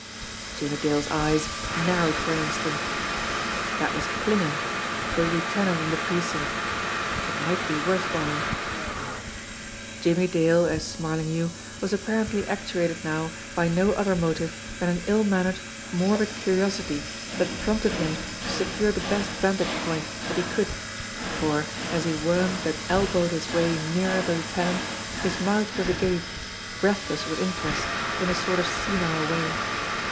Jimmie Dale's eyes narrowed for an instant. That was Klinger, a lieutenant in the precinct It might be worth while! Jimmie Dale, as Smarlinghue, was apparently actuated now by no other motive than an ill mannered, morbid curiosity that prompted him to secure the best vantage point that he could, for, as he wormed and elbowed his way nearer A DEVIL'S ALIBI 187 the lieutenant, his mouth was agape, breathless with interest, in a sort of senile way.